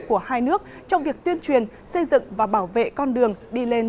của hai nước trong việc tuyên truyền xây dựng và bảo vệ con đường đi lên